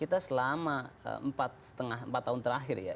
itu selama empat lima tahun terakhir ya